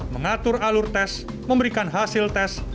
mengatur alur tes memberikan hasil tes